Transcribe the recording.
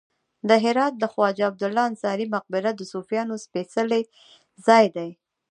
د هرات د خواجه عبدالله انصاري مقبره د صوفیانو سپیڅلی ځای دی